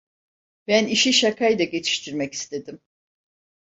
Ben işi şakayla geçiştirmek istedim.